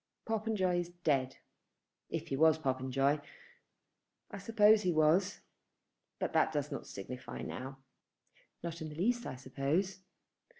"Popenjoy is dead, if he was Popenjoy. I suppose he was; but that does not signify now." "Not in the least I suppose."